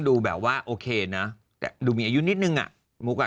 พี่แซมทิ้งไปกี่ปีแล้วล่ะ